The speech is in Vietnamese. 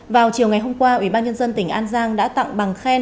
vào chiều ngày hôm qua ủy ban nhân dân tỉnh an giang đã tặng bằng khen